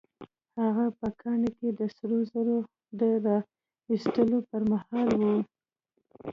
هغه په کان کې د سرو زرو د را ايستلو پر مهال وه.